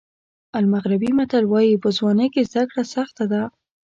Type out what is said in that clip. المغربي متل وایي په ځوانۍ کې زده کړه سخته ده.